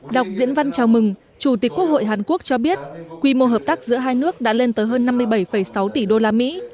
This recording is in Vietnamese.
đọc diễn văn chào mừng chủ tịch quốc hội hàn quốc cho biết quy mô hợp tác giữa hai nước đã lên tới hơn năm mươi bảy sáu tỷ đô la mỹ